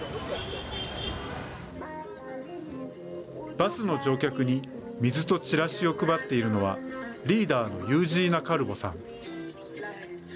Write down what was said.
バスの乗客に水とチラシを配っているのはリーダーのユージーナ・カルボさん。